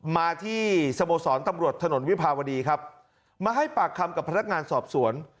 มาที่สโมสรตำรวจถนนวิภาวดีครับมาให้ปากคำกับพนักงานสอบสวน